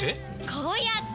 こうやって！